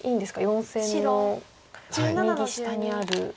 ４線の右下にある白１個。